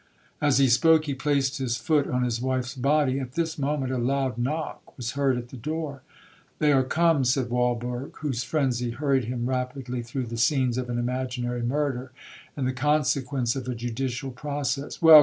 'As he spoke, he placed his foot on his wife's body. At this moment, a loud knock was heard at the door. 'They are come!' said Walberg, whose frenzy hurried him rapidly through the scenes of an imaginary murder, and the consequence of a judicial process. 'Well!